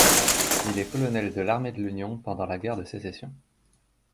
Il est colonel de l'Armée de l'Union pendant la guerre de Sécession.